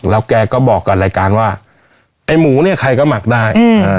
แล้วแกก็บอกกับรายการว่าไอ้หมูเนี่ยใครก็หมักได้